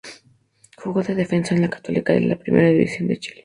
Jugó de defensa en la Católica de la Primera División de Chile.